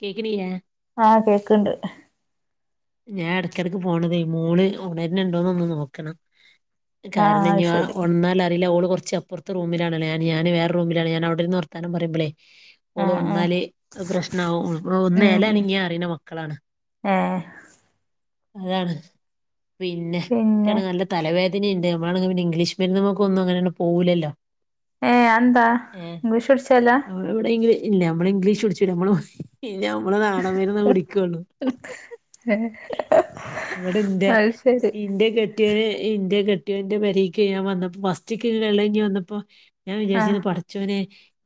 കേക്കണിലേ ആ കേക്ക്ണ്ട് ഞാൻ ഇടക്കിടക്ക് പോണതയ് മോള് ഉണരുന്നുണ്ടോന്ന് ഒന്ന് നോക്കണം ആഹ് കാരണം അത് ഞ്ഞി ആ ശരി ഒൺന്നാൽ അറില ഓള് കുറച്ച് ച്ച്പ്പുറത്ത് റൂമിലാണല്ല ഞാന് ഞാന് വേറെ റൂമിലാണ് ഞാനവിട്ര്ന്ന് വർത്താനം പറിമ്പളേ ഓള് ആഹ് ആഹ് വന്നാല് അത് പ്രശ്നമാവും ഒന്ന് ഉം ഇല ഉം അനങ്ങിയാൽ അറിയുന്ന മക്കളാണ് ഏഹ് അതാണ് പിന്നെ പിന്നെ എനിക്കാണേ നല്ല തലവേദന ഇനി എന്തെ നമ്മളൊക്കെ പിന്നെ ഇംഗ്ലീഷ് മരുന്നുകൾക്കൊന്നും അങ്ങനെ തന്നെ പോവില്ലല്ലോ ഏ അതെന്താ ഇംഗ്ലീഷ് [unintelligible] നമ്മളിവിടെ ഇംഗ്ലീ ഇല്ല നമ്മള് ഇംഗ്ലീഷ് വിളിച്ചില്ല നമ്മള് ഇല്ല നമ്മള് നാടൻ മരുന്നേ കുടിക്കുവുള്ളു അത് ശരി എന്റെ കെട്ടിയോന്റെ പെരേക്ക് ഞാൻ വന്നപ്പോ [unintelligible] വന്നപ്പോ ഞാൻ ആഹ് വിചാരിച്ചിന്ന് പഠച്ചോനെ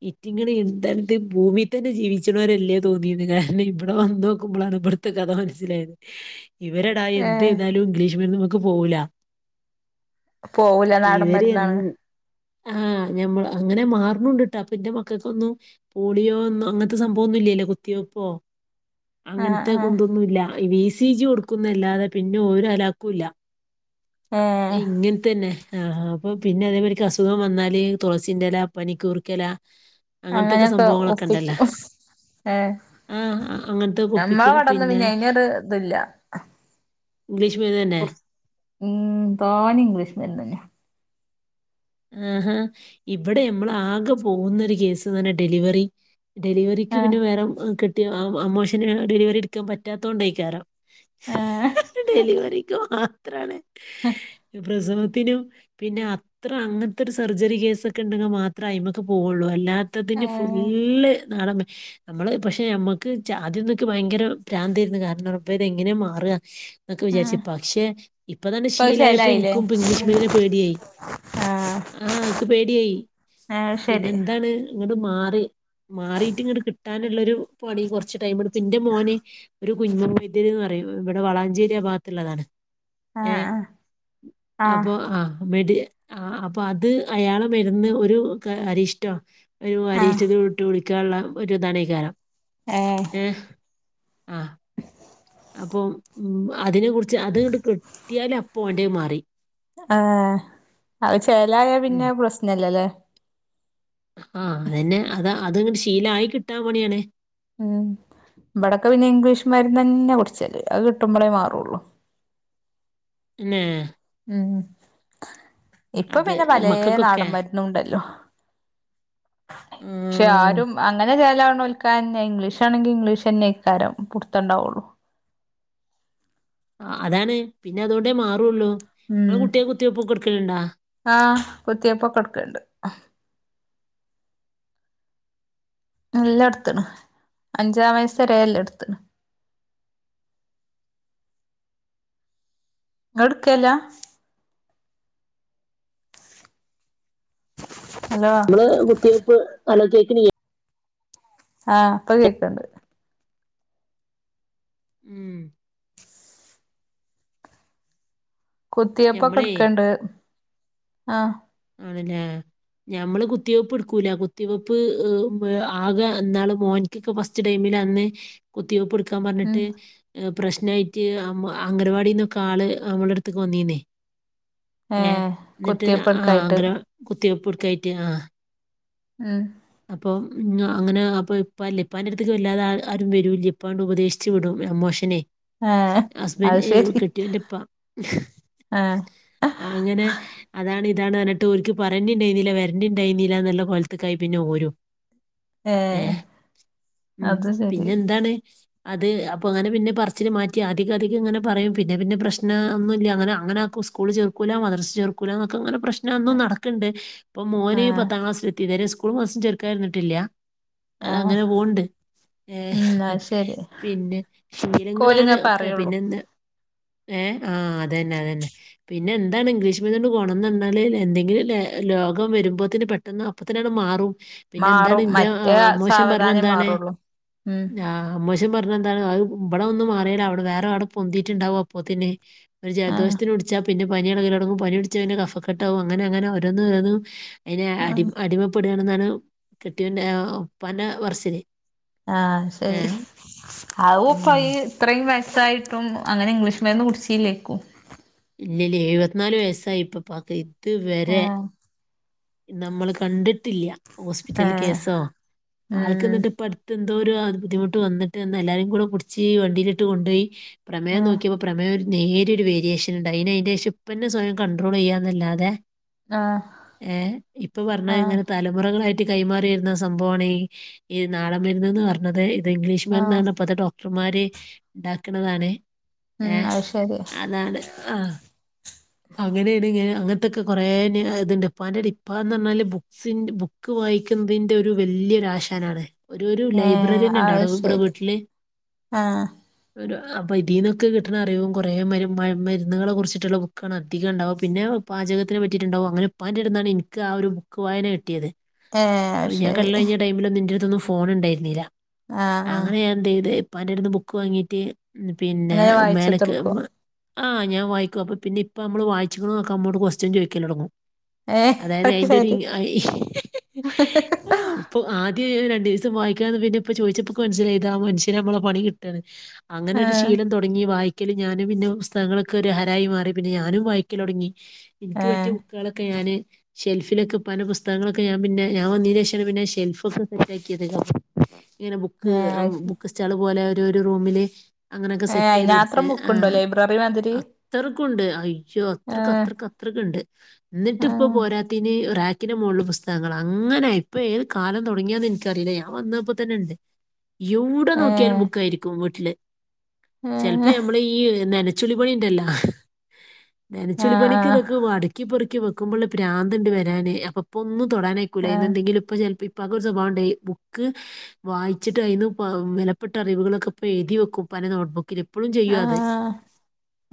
ഇറ്റിങ്ങനെ എന്തത്ത് ഭൂമി തന്നെ ജീവിക്കണവരല്ലേ തോന്നിയത് കാരണം ഇവിടെ വന്ന് നോക്കുമ്പോഴാണ് ഇവിടുത്തെ കഥ മനസ്സിലായത് ഇവരടായ എന്ത് ഏഹ് ചെയ്താലും ഇംഗ്ലീഷ് മരുന്ന് പോകൂല പോവൂല നാടൻ മരുന്നാണ് ആ ഞമ്മ അങ്ങനെ മാറണുണ്ട് കേട്ടോ അപ്പൊ എന്റെ മക്കൾക്കൊന്നും പോളിയോ ഒന്നും അങ്ങനത്തെ സംഭവമൊന്നും ഇല്ലല്ലോ കുത്തിവയ്‌പ്പോ ആഹ് അങ്ങനത്തെ ആഹ് കുന്തൊന്നുവില്ല വി സി ജി കൊടുക്കുന്നല്ലാതെ പിന്നെ ഒര് അലാക്കും ഇല്ല ഏഹ് ഇങ്ങനെ തന്നെ ആ ആ അപ്പോൾ പിന്നെ അതേപോണക്ക് അസുഖം വന്നാല് തുളസിന്റെ ഇല പനിക്കൂർക്ക ഇല അങ്ങനത്തൊക്കെ അങ്ങനെയൊക്കെ സംഭവങ്ങളൊക്കെ ഒപ്പിച്ചു ഉണ്ടല്ലോ ഏഹ് ആ അങ്ങനത്തെക്ക നമ്മളെ ഒപ്പിക്കും ഇവടൊന്നും പിന്നെ അയിനൊരു ഇതില്ല ഇംഗ്ലീഷ് മരുന്ന് തന്നെ ഉം തനി ഇംഗ്ലീഷ് മരുന്ന് തന്നേ ആ ആ ഇവിടെ നമ്മള് ആകെ പോകുന്നൊരു കേസ് തന്നെ ഡെലിവറി ഡെലിവറിക്ക് ആഹ് പിന്നെ വേറെ അമോഷന് ഡെലിവറി എടുക്കാൻ പറ്റാത്തത് കൊണ്ടായിക്കാരോ ഏഹ് ഡെലിവറിക്കോ എത്രയാണ് ഈ പ്രെസവ ത്തിനും പിന്നെ അ ത്ര അങ്ങനത്തെ ഒരു സർജറി കേസൊക്കെ ഉണ്ടെങ്കിൽ മാത്രമേ അയിൻ മേക്ക് പോവുള്ളൂ അല്ലാ ത്തതിന്‌ ഏഹ് ഫുള്ള് നാടൻ മ നമ്മള് പക്ഷെ നമ്മുക്ക് ആദ്യംന്നൊക്കെ ഭയങ്കര പ്രാന്തായിരുന്നു കാരണം ഇപ്പൊ ഇത് എങ്ങനെയാ മാറുക എന്നക്കെ ആഹ് വിചാരിച്ച് പക്ഷേ ഇപ്പ തന്നെ ഇപ്പത് ശീലായപ്പോ ശെലായില്ലേ എനിക്കും ഇംഗ്ലീഷ് മീഡിയനെ പേടിയായി ആഹ് ആഹ് ക്ക് പേടിയായി ഏഹ് പിന്നെ ശരി എന്താണ് ഇങ്ങട് മാറി മാറീട്ട് ഇങ്ങട്ട് കിട്ടാനുള്ളൊരു പണി കൊർച് ടൈമ്ട് പിന്റെ മോനെ ഒരു കുഞ്ഞും വൈദ്യര്ന്ന് പറയും ഇവിടെ വളാഞ്ചേരി ഭാഗത്തുള്ളതാണ് ആഹ് ഏ ആഹ് ആഹ് അപ്പോ ആ മീഡിയ ആ അപ്പൊ അത് അയാള മരുന്ന് ഒരു അരിഷ്ട ഒരു ആഹ് അരീക്ഷത വിട്ട് വിളി ക്കെള്ള ഒരു താണയ്കാരം ഏഹ് ഏ ആ അപ്പം ഉം അതിനെ കുറിച്ച് അത്ങ്ങട്ട് കിട്ടിയാല അപ്പ ഓന്റത് മാറി ആ അത്‌ ചേലായ ഉം. പിന്നെ പ്രശ്നല്ലലേ ആ അതന്നെ അതാ അത്ങ്ങട്ട് ശീലായി കിട്ടാൻ പണിയാണ് ഉം ഇബടൊക്കെ പിന്നെ ഇംഗ്ലീഷ്മര്ന്നന്നേ കുട്ച്ചല് അത് കിട്ടുമ്പളേ മാറുള്ളു ന്നെ ഉം ഇപ്പൊ അത് പിന്നെ പലേ മക്കൾക്കൊക്കെ നാടൻ മര്ന്നുണ്ടല്ലോ പക്ഷേ ഉം. ആരും അങ്ങനെ ചേലാ വ്ണോൽക്കന്നെ ഇംഗ്ലീഷാണെങ്കി ഇംഗ്ലീഷ് തന്നെ അയ്ക്കാരം പുട്ത്തണ്ടാവുള്ളു ആ അതാണ് പിന്നെ അതൊണ്ടേ മാറുള്ളൂ ഉം നിങ്ങളെ കുട്ടിയെ കുത്തിവെപ്പൊക്കെ എടുക്കലുണ്ടാ ആ കുത്തിയപ്പൊക്കെട്ക്കല്ണ്ട് നല്ലട്ത്തണ് അഞ്ചാം വയസ്സ്‌ വരേ ല്ലത് എടുത്തണ് ങ്ങള്ട്ക്കൽല്ലാ ഹലോ നമ്മള് കുത്തിവെപ്പ് അലോ കേക്ക്നിയ്യേ ആ പ്പൊ കേക്ക്ണ്ട് ഉം ഞമ്മളേ കുത്തിയപ്പൊക്കെട്ക്ക്ണ്ട് ആ ആണ് ലേ ഞമ്മള് കുത്തിവെപ്പ് എടുക്കൂല കുത്തിവെപ്പ് ആകെ എന്നാള് മോനിക്കൊക്കെ ഫസ്റ്റ് ടൈമില് അന്ന് കുത്തിവെപ്പ് എടുക്ക ക്കാൻ ഉം പറഞ്ഞിട്ട് പ്രശ്നാ യിട്ട് അം അംഗനവാടിന്നൊക്കെ ആള് നമ്മള അടുത്ക്ക് വന്നീന്നേ ഏ കുത്തിയെപ്പട്ക്ക ക്കായിട്ട് കുത്തിയപ്പുട്ക്കായിട്ട് ആ ഉം അപ്പൊ ഉം അ അങ്ങനെ അപ്പൊ ഇപ്പല്ല ഇപ്പാന്റെ അടുത്തേക്ക് വല്ലാതെ ആരും വരൂല്ല ഇപ്പാണ്ട് ഉപദേശിച്ചു വിടും അമ്മോഷനെ ഏ ഹസ്ബൻഡ അത് ശരി കെട്ടിയ എന്റെപ്പ ആ അങ്ങനെ അതാണ് ഇതാണ് എന്നിട്ട്ഓർക്ക് പറഞ്ഞിണ്ടായിുന്നില്ല വരണ്ടായിുന്നില്ല എന്നുള്ള കൊലത്ത കായി പിനൂരു ഏ ഉം അത് ശരി പിന്നെ എന്താണ് അത് അപ്പൊ അങ്ങനെ പിന്നെ പറിച്ചി മാറ്റി അധിക അധംങ്ങനെ പറയും പിെ പിന്നെ പ്രശ്ന ഒന്നും ഇല്ല അങ്ങന അങ്ങനെ ആും സ്കൂള് ചേർക്കല മർസ് ചേർക്കൂല എന്നൊക്കെങ്ങനെ പ്രശ്നം ഒന്നും നടക്കുന്നുണ്ട് ഇപ്പൊ മോന ആ പത്താം ക്ലാസില എത്തിവരെ സ്കൂൾ മാസം ചെറുക്കായിരുന്നിട്ടില്ല അത ആ അങ്ങനെ പോണ്ട് ഏർ ഉം അത് ശരി പിന്നെ കോലിങ്ങ ശീലങ്ങളാണ് ഒക്കെ പറയുള്ളൂ പിന്നെ എന്താ ഏ ആഹ് അത തന്നെ അത തന്നെ പിന്നെ എന്താണ് ഇംഗ്ലീഷ് മീ കൊണ്ട് കോണണംന്ന്ഞ്ഞാല് എന്തെങ്കിലും ലോകം വരുമ്പോത്തന് പെട്ടെന്ന് അപ്പ തനാണ് മാറും പിന്നെ എന്താണ് മാറും ഇന്റെ ആ, മറ്റേ അമ്മോശൻ പറഞ്ഞ സാവധാനം മാറുള്ളൂ ഉം പറഞ്ഞ എന്ത ഇവിടെ ഒന്ന് മാറിയൽ അവിടെ വേറെ അവിടെ പൊന്തിട്ടുണ്ടാവവാ പത്തിന ഒരു ആ ജലദോഷത്തിന് വിടിച്ച പിന്നെ പനി ഇളകില തുടങ്ങും പനി പിടിച്ച പിന്നെ കഫ കെട്ടാവും അങ്ങനെ അങ്ങനെഓരോന്ന് ഓന്ന് അതിനെ ആ അടി അടിമപ്പെ എവിടെയാണെന്നാണ് കെട്ടിപ്പന്റെ വർച്ചില് ആഹ ശരി ഉം അപ്പയി ഇത്രയും ഫായിട്ടും അങ്ങനെ ഇംഗ്ലീഷ് മഡന്ന് കുടിിച്ചില്ലേക്കും ഇല്ല ഇ എഴുപത്തിനാല് വയസ്സായി ഇപ്പൾ പക്ക് പത്ത് വരെ ആ നമ്മൾ കണ്ടിട്ട് ഹോസ്പിറ്റല ഏ കേസോ ഉം ആൾക്കിട്ട് എന്തോ ഒരു ബുദ്ദി മുട്ട് വന്നിട്ട്ന്ന് എല്ലാരും കൂടെ പിടിച്ച് വണ്ടിയിലിട്ട് കൊുപോയി പ്രമേം ആ നോക്കിയോൾ പ്രേം നേരിയ ഒരു വേരിയേഷൻ ഉണ്ടായിന് അതിന്റെശേഷം ഇപ്പന്നെ സ്വയം കണ്ടട്രോൾ ചെയ്യാന്നല്ലാതെ ആഹ ഏ ഇപ്പൊ പറഞ്ഞാ ഇങ്ങനെ തലമുറകളായിട്ട് കൈമാറിയിരുന്ന സംഭവമാണ് ഈ ഈ നാള മരുന്ന്ന്ന് പറഞ്ഞത് അത് ഇംഗ്ലീഷ് ആ മരുന്ന് ണ് അപ്പോ അത് ഡോ ഡോക്ടർമാര് ഉണ്ടാക്കുന്നതാണ് ഉം അത് ശരി ആഹ അങ്ങനെയാണ് ഇങ്ങ അങ്ങനത്തൊക്കെ കൊറേ ഇത്ണ്ട് ഇപ്പ എന്റെറ ഇപ്പാ എന്ന് പറഞ്ഞാല് ബു ബുക്ക് വായിക്കുന്നതിന്റെ ഒരു വല്യൊ ആശാനാണ് ഒരു ഒരു ഏ ലൈബ്രറിയന ഉണ്ട അത് അടോ ഇവിടെ ശരി വീട്ടില് ആ ഒരു അപ്പൊ ഇതീന്നൊക്കെ കിട്ടണ അറിയോ കുറേ മരുന്നുകളെ കുറിച്ചിട്ടുള്ള [unintelligible] ണ്ടാവും പിന്നെ പാചത്തിന് പറ്റീട്ടിണ്ടാവും അങ്ങനെപ്പാൻ്റെടുന്നാണ് ഇനിക്ക് ആ ഒരു ബുക്ക് വായന കിട്ട്യേത് ഏ അത് ഞാൻ ശരി കള്ള കഴിഞ്ഞ ടൈമിൽ നിന്റെ ന്നും ഫോണിണ്ടായിരുന്നില്ല ആ ആ അങ്ങനെയാ എന്തെയ്ത് ഇപ്പാന്റെട്ന്ന് ബുക്ക് വാങ്ങിട്ട് പിന്നെ അങ്ങനെ മേലക്ക് വായിച്ചുത്തർക്കോ ആഹ് ഞാൻ വായിക്കും അപ്പ പിന്നെ ഇ പ്പമ്മള് വായിച്ച്ക്കിണോക്ക നമ്മോട് കൊസ്റ്റ്യെൻ ചോയ്ക്കലൊടങ്ങും ഏ അതായത് അത് അതിന്റെ ഒരു ശരി ഇപ്പൊ ആദ്യം ര ണ്ടീസം വായിക്കാന്ന് പിന്നെ പ്പ ചോദിച്ചപ്പൊക്ക് മനൾൻസ്സിലയത് മനഷ്യെനമ്മളെ പണിട്ടാണ് അങ്ങനെ ആ ഒരു ശീലം തുടങ്ങി വായി ക്കലും ഞാനും പിന്നെ പുസ്തകങ്ങളൊക്കെ ഒരു ഹരായി മാറി പിന്നെ ഞാനും വായിക്കിലൊടങ്ങി ഇനിക്ക് ഏ പറ്റിയ ബുക്കാളൊക്കെ ഞാന് ഷെൽഫിലൊക്കെ പ്പാൻ്റെ പുസ്തകങ്ങളൊക്കെ ഞാൻ പിന്നെ ഞാൻ വന്നീന് ശേഷാണ് പിന്നെ ഷെൽഫ് ഒക്കെ സെറ്റ ആക്കിയത് ഇങ്ങനെ ബുക്ക് ഏ അത് ശരി ബുക്ക് സ്റ്റാള് പോലെ ഒരു റൂമില് അങ്ങനെയൊക്കെ ഏ സെറ്റ് ചെയ്ത് കൊടുത്ത് അയിനാത്രം ബുക്ക് ഇണ്ടോ ലൈബ്രറി മാതിരി ണ്ട് അയ്യോ ആ അത്രക്ക് അത്രക്ക് അത്രക്കിണ്ട് ഇന്നിട്ട് ആ ഇപ്പ പോരാത്തീന് ക്കിന് മോൾല് പുസ്തകങ്ങളാ അങ്ങനെ ഇപ്പൊ ഏത് കാലം തൊടങ്ങിയാന്ന് ഇനിക്കറീല്ല ഞാൻ വന്നപ്പോ തന്നെ ഇണ്ട് യൂടെ ഏ നോക്ക്യാലും ബുക്കായിരിക്കും വീട്ടില് ഏ ചെൽപ്പോ നമ്മൾ ഈ നെനെ [unintelligible] ആ നെനച്ചുളി ആ പണിക്ക് ഇതൊക്കെ വടക്കി പെറുക്കി വെ ക്കുമ്പോള്ള പ്രാന്ത്‌ ഉണ്ട് വരാന് അപ്പൊപ്പൊന്ന് തൊടാനയ്ക്കൂല്ല ആ അയ്നെന്തെങ്കിലും ഇപ്പോ ചെൽപ്പോ പ്പാക്ക് ഒരു സ്വഭാവാണ്ടെ ബുക്ക് വായിച്ചിട്ട് അയിന്ന് പ വെലപ്പെട്ട അറിവുകളൊക്കെ ഇപ്പ എയ്തി വെക്കും ഇപ്പാന്റെ നോട്ട്ബുക്കില് ആഹ്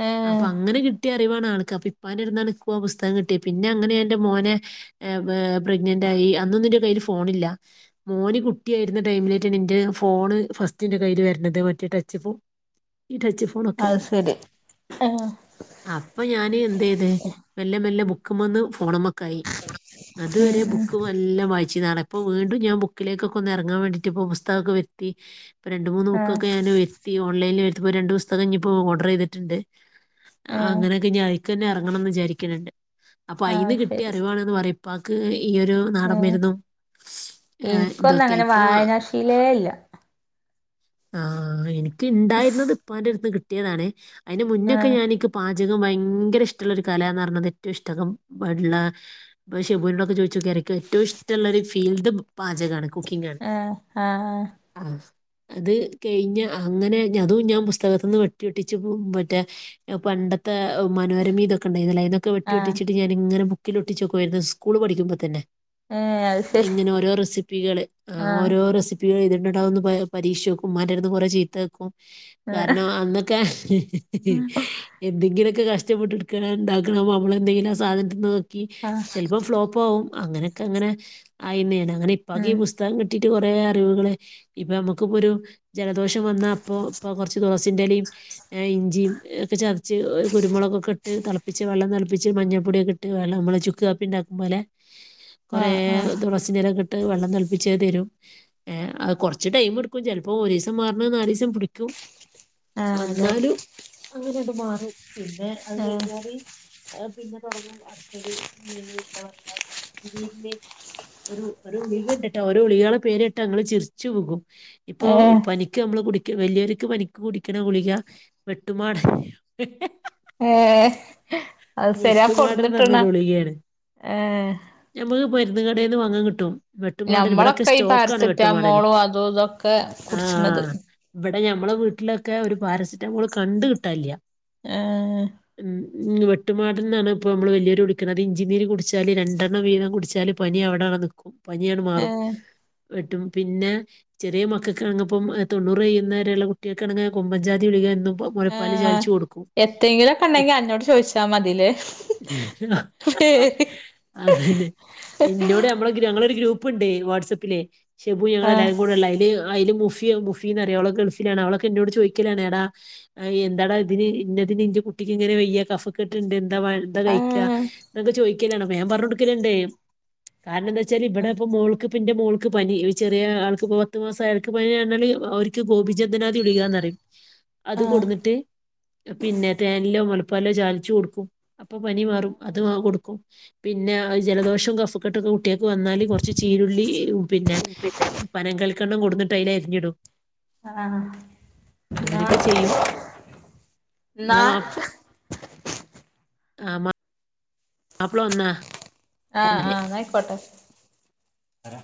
ഏഹ് അപ്പ അങ്ങനെ കിട്ട്യേ [unintelligible] അപ്പൊ ഇപ്പാന്റെ അടുന്നാണ് ഇക്കും ആ പുസ്തകം കിട്ട്യേ പിന്നെ അങ്ങനെ ഞാൻ ഇന്റെ മോനെ ഏ മെ പ്രഗ്നെന്റ് ആയി അന്നൊന്നുന്റെ കയ്യില് ഫോണില്ല മോന് കുട്ടിയായിരുന്ന ടൈമിലേട്ട് എന്റെ ഫോണ് ഫസ്റ്റ് ന്റെ കൈല് വെര്ണത് മറ്റേ ടച്ച് ഫോ അത് ശരി ആഹ് അപ്പൊ ഞാന് എന്തെയ്ത് വല്ല മെല്ലെ ബുക്കുമെന്ന് ഫോണമെ ക്കയി അത് ഉം വരേ ഉം ബുക്ക് നല്ല വായി ച്ച് നടപ്പ്‌ വീണ്ടും ഞാൻ ബുക്കിലേക്ക് ഒക്കെ ഒന്ന് ഇറങ്ങൻ വേണ്ടിയിട്ട ഇപ്പൊ പുസ്തകൊക്കെ വെരുത്തി രണ്ട് മൂന്ന് ആ ബുക്ക്‌ ഒക്കെ ഞൻ വരുത്തി ഓൺലൈൻ വരൂ ഇപ്പോ രണ്ട് പുസ്തകം ഇനി ഇപ്പോ ഓർഡർ ചെയ്തിട്ടുണ്ട്. ഏ അങ്ങനൊക്കെ ഇനി അ ക്ക്‌ തന്നെ ഇറങ്ങണം എന്ന് വിചാരിക്കന്നുണ്ട്. അപ്പൊ ആ അയിന്ന് കിട്ടിയ ശരി അറിവാണന്ന് പറയും. ഉപ്പാക്ക് ഈ ഒരു ഏ നാടൻ മരുന്നും ഏഹ് ഇനിക്കൊന്നും ഇതൊക്കെ അങ്ങനെ ഇപ്പൊ വായനാശീലേ ഇല്ല ആഹ് എനി ക്ക് ഉണ്ടായിരുന്നത് ഇപ്പന്റെടുത്തുന്ന് കി ട്ടിയതാണ്. അതിന് ആ മുന്നൊക്കെ ഞാനിക്ക് പ ചകം ഭയങ്കര ഇഷ്ടുള്ള ഒരു കല എന്ന് പറഞ്ഞത് ഏറ്റവും ഇഷ്ടകം ആയിട്ടുള്ള ഷെബുനോക്കെ ചോദിച്ചോക്കി ഇറക്ക് ഏറ്റവും ഇഷ്ടമുള്ള ഒരു ഫീൽഡ് പാചകമാണ് കുക്കിംഗ് ആണ് ആഹ് ആഹ്. ആഹ് അത് കഴിഞ്ഞ അങ്ങനെ അതും ഞാൻ പുസ്തകത്തിന്ന് വെട്ടി ഒട്ടിച്ച് മറ്റേ പണ്ടത്തെ മനോരമ ഇതൊക്കെ ഉണ്ടായിന്നല്ലോ അതിനൊക്കെ വെട്ടി ആ ഒട്ടിച്ചിട്ട് ഞാനിങ്ങനെ ബു ക്കില് ഒട്ടിച്ചോക്കായിരുന്നു സ്കൂൾ പഠിക്കുമ്പോ തന്നെ ഏ അത് ശരി ഇങ്ങനെ ഓരോ റെസിപ്പികള് ആ ആഹ് ഓരോ റെസി [unintelligible] പരീക്ഷവെക്കും ഉമ്മാന്റെട്ത്ത്ന്ന് കാെറെ ചീത്തകേക്കും ആ കാരണം അന്നൊക്കെ എന്തെങ്കിലൊക്കെ കഷ് ഇഷ്ടപ്പെട്ട് ഇട്ക്കാണെങ്കി അത് ഇണ്ടാക്കണം അപ്പൊ അമ്മള് എന്തെങ്കിലും ആ സാധനത്തിന് നോ കി ആ ചെൽപ്പം ഫ്ലോപ്പ് ആവും അങ്ങനെക്കെ അങ്ങനെ ആയിന്നേണ് ങ്ങനെ പകെ ഉം പുസ്തകം കിട്ടി കുറേ അറിവുകള് ഇപ്പൊ നമു ഇക്ക് ഇപ്പൊരു ജലദോഷം വന്നാ അപ്പാെ ഇപ്പൊ കാെറച്ച് തുളസിൻ്റെലിം ഏഹ് ഇഞ്ചിം എ ഒക്കെ ചതച്ച് ഒ കുരുമാെളകൊക്കെ ഇട്ട് തളപ്പിച്ച വെള്ളം തളപ്പിച്ച് ഒര് മഞ്ഞൾപ്പൊടിയെക്കെ ഇട്ട് വെള്ളം ഇമ്മളെ ചുക്ക് കാപ്പി ഇണ്ടാക്കുംമ്പോലെ ആ കൊറേ ആ തൊളസീന്റെല കി ട്ട് വെള്ളം തെൾപ്പിച്ചത് തെരും ഏഹ് അത് കാെറച്ച് ടൈമ് ഇട്- ക്കും ചിലപ്പോ ഒരൂസം മാറണ നാല്സം പിടിക്കും. ആ അതെ അന്നാലും അങ്ങനിടും മാറും പിന്നെ അത് ഏ കഴിഞ്ഞാല് പിന്നെ തുടങ്ങും അടുത്തത് എന്താ പറയാ ഒരുഗുളിക ഉണ്ട്ട്ടോ ഓരോ ഗുളികകളെ പേരേട്ടാ ഇങ്ങൾ ചിരിച്ച് പോകും ഇപ്പൊ ഏ പനിക്ക് നമ്മള് കുടി വലിയർക്ക് പനിക്ക് കുടിക്കണ ഗുളിക വെട്ടുമാട ആഏ വെട്ടുമാടനന്ന് പറഞ്ഞൊരു ഗു ളികയാണ് ഏ ഞമ്മക്ക്പ മരുന്ന് കടേന്ന് വാങ്ങാൻ കിട്ടും വെട്ടുമാടന് ഇവിടൊക്കെ ഞമ്മളൊക്കെ ഈ സ്റ്റോക്കാണ് വെട്ടുമാടന് പാരസെറ്റാമോളും അതും ഇതൊക്കെ ആ കുടിച്ചണത് ഇവടെ ഞമ്മളെ വീട്ടിലൊ ഒക്കെ ഒരു പാരസെറ്റാമോള് കണ്ട് കിട്ടാല്ല്യ ഏ ഉം വെട്ടുമാട നെന്നാണ് ഇപ്പോൾ നമ്മള് വല്ല്യൊരു വിളിക്കാണത് ഇഞ്ചി നീര് കുടിചാല് രണ്ടെണ്ണം വീതം കുടിച്ചാല് പനി അവിടവിട നിക്കും പനിയാണ് ഏ മാറും വെട്ടും പിന്നെ ചെറിയ മക്കൾക്ക്ണങ്ങപ്പം തൊണ്ണൂറ്യ്യുന്ന വരെയുള്ള കുട്ടികൾക്കണ കുമ്പൻചാതി വിളികാ ആ മുലപ്പാലിൽ ചാലിച്ചു കൊടുക്കും എത്തെങ്കിലൊക്കെ ഉണ്ടെങ്കി അന്നോട് ചോദിച്ചാ മതില്ലേ പേര് അതന്നെ ഇന്നോട് മ്മളെങ്ങളരു ഗ്രൂപ്പ് പ്പുണ്ടേ വാട്സപ്പിലെ ഷിബു ആ ഞങ്ങളെല്ലാരും കൂടെ ഉള്ളയ് ന്‌ അയിന് മുഫി മുഫിന്നറിയോ ഓള് ഗൾഫിലാണ് അവളൊക്കെ എന്നോട് ചോയി ക്കലാണ്എടാ എന്താടാ ഇതിന് ഇന്ന തിന് ഇന്റെ കുട്ടിക്ക് ഇങ്ങനെ വയ്യ കഫക്കെട്ട്ണ്ട് എന്ത വാ അടുത്ത ആ കഴിക്ക എന്നൊക്കെ ചോദിക്ക ൻ പറഞ്ഞ കൊടുക്കലണ്ട് കാരണം എന്താ ഇവിടെ ഇപ്പ മോൾക്ക് പിന്റെ മോൾക്ക് പനി ചെറിയ ആൾക്ക് പത്ത് മാസം ആയാൾക്ക് പനിണല് അവർക്ക് ഗോപിജന്ദനാഥി വിളികാന്ന് പറയും അത് ആ കൊടുന്നിട്ട് പിന്നെ തേനിലോ മുല പ്പല ചാലിച്ചച്ച് കൊടുക്കും. അപ്പൊ പനി മാറും അത് ആ കൊടുക്കും. പിന്നെ ജലദോഷം കഫക്കെട്ടൊക്കെ കുട്ടികക്ക് വന്നാല് കുറച്ച് ചീരുള്ളി പിന്നെ പനം കൽിക്കണ്ണം കൊടുട്ട ട്ടയില് അരിഞ്ഞിടും. ആഹ് ന അങ്ങനെയൊക്കെ ചെയ്യും നാ ആമ്മ. മാപ്പള വന്നാ ആഹ് വന്നല്ലേ ആഹ് ന കൊട്ട അരാ